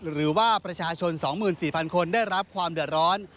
หรือว่าประชาชน๒๔๐๐คนได้รับความเดือดร้อน